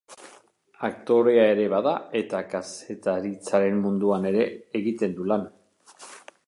Aktorea ere bada eta kazetaritzaren munduan ere egiten du lan.